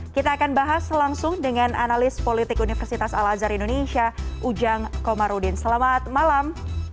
kita akan bahas langsung dengan analis politik universitas al azhar indonesia ujang komarudin selamat malam